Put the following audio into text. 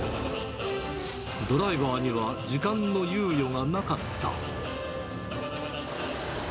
ドライバーには時間の猶予がなかった。